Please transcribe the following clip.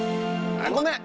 あっごめん！